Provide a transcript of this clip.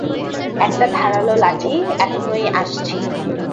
একটা ধারালো লাঠি, এখনই আসছি।